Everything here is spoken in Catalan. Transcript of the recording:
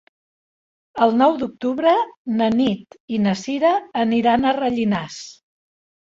El nou d'octubre na Nit i na Sira aniran a Rellinars.